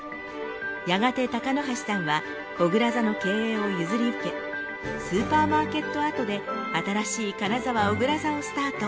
やがて鷹箸さんはおぐら座の経営を譲り受けスーパーマーケット跡で新しい金沢おぐら座をスタート。